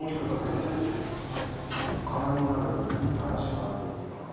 金になるいい話があると言っていたが幾らになるのだ？